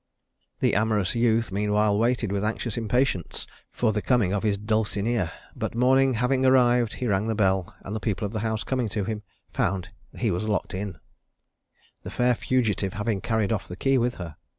The amorous youth meanwhile waited with anxious impatience for the coming of his Dulcinea; but morning having arrived, he rang the bell, and the people of the house coming to him, found that he was locked in, the fair fugitive having carried off the key with her.